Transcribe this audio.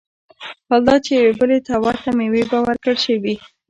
حال دا چي يوې بلي ته ورته مېوې به وركړى شوې وي